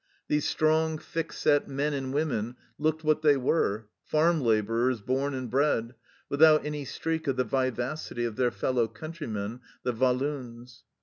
These strong, thick set men and women looked what they were, farm labourers born and bred, without any streak of the vivacity of their fellow countrymen the Walloons.